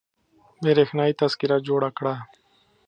برېښنايي تذکره جوړه کړه